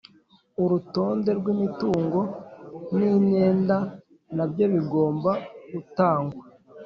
Urutonde rw’ imitungo n’ imyenda nabyo bigomba gutangwa